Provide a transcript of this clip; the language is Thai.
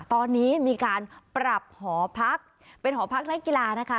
ตอนนี้มีการปรับหอพักเป็นหอพักและกีฬานะคะ